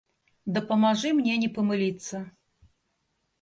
Дапамажы мне не памыліцца.